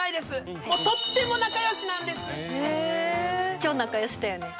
超仲良しだよね。